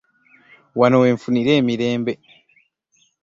Wano we nfunira emirembe.